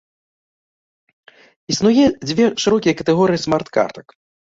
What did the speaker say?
Існуе дзве шырокія катэгорыі смарт-картак.